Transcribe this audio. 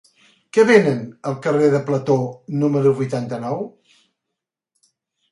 Què venen al carrer de Plató número vuitanta-nou?